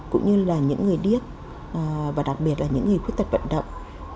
cũng như là những người điếc và đặc biệt là những người khuyết tật vận động